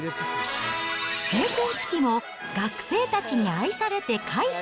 閉店危機も学生たちに愛されて回避。